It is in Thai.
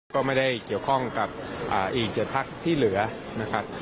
ก็ไม่ได้เกี่ยวข้องกับอีก๗พักที่เหลือนะครับ